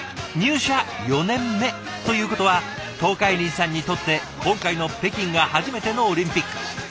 入社４年目ということは東海林さんにとって今回の北京が初めてのオリンピック。